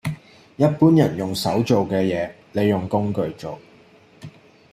一般人用手做嘅嘢，你用工具做